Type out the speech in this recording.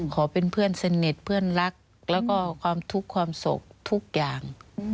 ขอเป็นเพื่อนสนิทเพื่อนรักแล้วก็ความทุกข์ความสุขทุกอย่าง